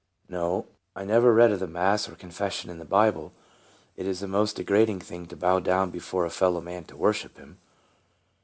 "No; I never read of the Mass or Con fession in the Bible. It is a most degrading thing to bow down before a fellow man to worship him."